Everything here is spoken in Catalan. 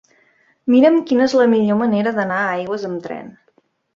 Mira'm quina és la millor manera d'anar a Aigües amb tren.